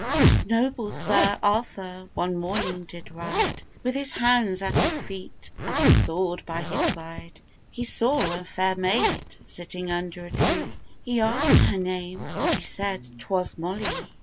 ] AS noble Sir Arthur one morning did ride, With his hounds at his feet, and his sword by his side, He saw a fair maid sitting under a tree, He askèd her name, and she said 'twas Mollee.